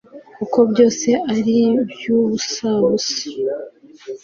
kuko byose ari ubusabusa